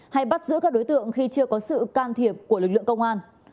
hay bắt giữ các đối tượng khi chưa có sự can thiệp của lực lượng công an